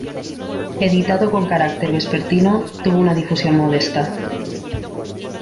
Editado con carácter vespertino, tuvo una difusión modesta.